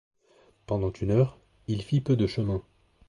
Pendant une heure, il fit peu de chemin.